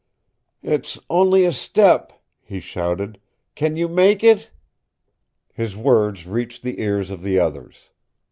"It's only a step," he shouted. "Can you make it?" His words reached the ears of the others.